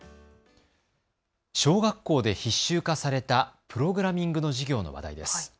小学校で必修化されたプログラミングの授業の話題です。